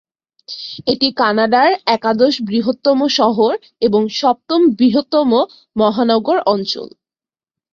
এটি কানাডার একাদশ বৃহত্তম শহর এবং সপ্তম বৃহত্তম মহানগর অঞ্চল।